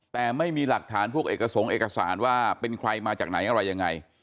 แต่ไม่มีหลักฐานพวกเอกสงค์เอกสารว่าเป็นใครมาจากไหนอะไรยังไง